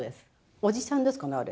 おじさんですかねあれ。